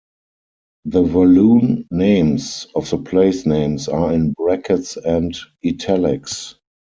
The Walloon names of the place names are in brackets and italics.